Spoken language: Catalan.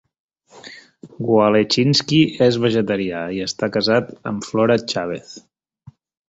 Wallechinsky és vegetarià i està casat amb Flora Chávez.